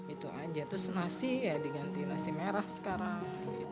itu aja terus nasi ya diganti nasi merah sekarang